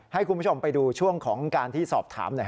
ให้คุณผู้ชมไปดูช่วงของการที่สอบถามหน่อย